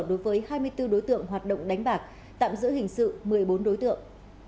đối với hai mươi bốn đối tượng hoạt động đánh bạc tạm giữ hình sự một mươi bốn đối tượng